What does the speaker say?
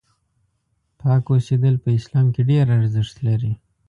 پاک اوسېدل په اسلام کې ډېر ارزښت لري.